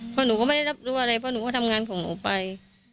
เพราะหนูก็ไม่ได้รับรู้อะไรเพราะหนูก็ทำงานของหนูไป